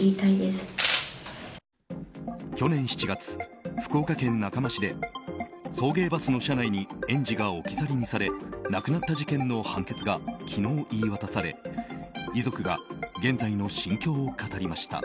去年７月、福岡県中間市で送迎バスの車内に園児が置き去りにされ亡くなった事件の判決が昨日、言い渡され遺族が現在の心境を語りました。